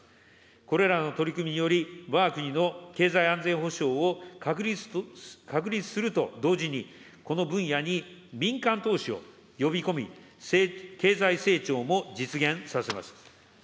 これらの取り組みにより、わが国の経済安全保障を確立すると同時に、この分野に民間投資を呼び込み、経済成長も実現させます。